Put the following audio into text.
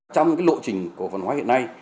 trong lộ trình cổ phần hóa hiện nay